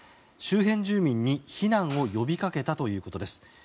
周辺住民に避難を呼びかけたということです。